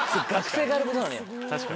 確かに。